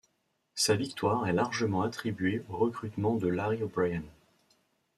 Sa victoire est largement attribuée au recrutement de Larry O'Brien.